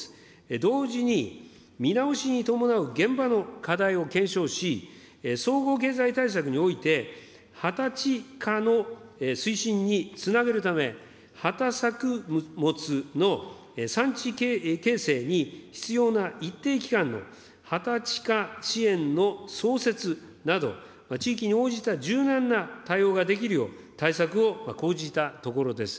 同時に、見直しに伴う現場の課題を検証し、総合経済対策において、畑地化の推進につなげるため、畑作物の産地形成に必要な一定期間の畑地化支援の創設など、地域に応じた柔軟な対応ができるよう、対策を講じたところです。